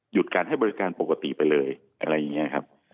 การให้บริการปกติไปเลยอะไรอย่างนี้ครับ